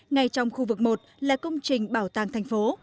ngay trong khu vực một là công trình bảo tàng thành phố